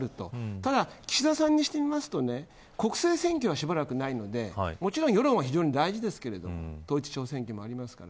ただ、岸田さんにすると国政選挙は、しばらくないのでもちろん世論は非常に大事ですが統一地方選挙もありますから。